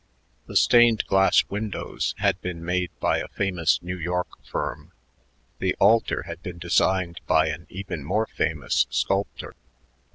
The stained glass windows had been made by a famous New York firm; the altar had been designed by an even more famous sculptor.